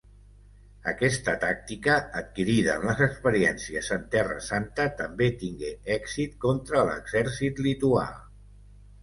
Aquesta tàctica, adquirida en les experiències en Terra Santa, també tingué èxit contra l'exèrcit lituà.